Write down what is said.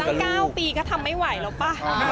ตั้ง๙ปีก็ทำไม่ไหวแล้วป่ะ